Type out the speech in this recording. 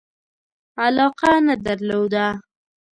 علاقه نه درلوده.